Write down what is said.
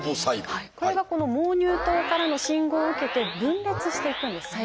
これがこの「毛乳頭」からの信号を受けて分裂していくんです細胞分裂。